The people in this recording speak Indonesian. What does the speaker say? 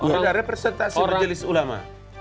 gara gara persentase berjelis ulama